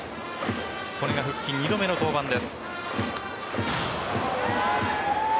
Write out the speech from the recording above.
これが復帰２度目の登板です。